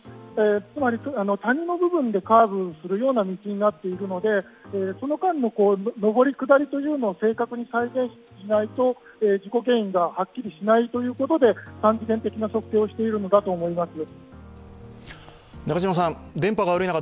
つまり、谷の部分でカーブするような道になっているので、その間の上り下りというのを正確に再現しないと事故原因がはっきりしないということで、三次元的な測定をしているのだと思われます。